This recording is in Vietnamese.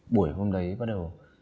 buổi hôm đấy bắt đầu